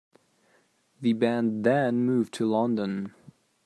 The band then moved to London.